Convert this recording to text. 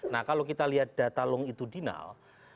nah kalau kita lihat data long itu di nol